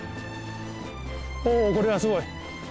おおこれはすごい。